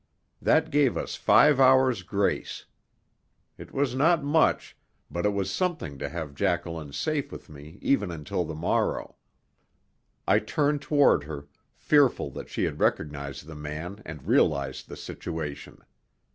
That gave us five hours' grace. It was not much, but it was something to have Jacqueline safe with me even until the morrow. I turned toward her, fearful that she had recognized the man and realized the situation.